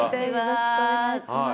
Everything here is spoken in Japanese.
よろしくお願いします。